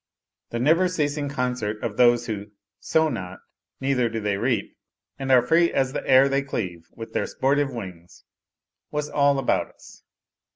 The never ceasing concert of those who " sow not, neither do they reap " and are free as the air they cleave with their sportive wings was all about us.